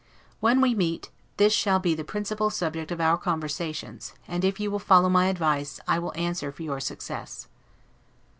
When we meet, this shall be the principal subject of our conversations; and, if you will follow my advice, I will answer for your success.